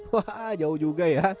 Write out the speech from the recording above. wah jauh juga ya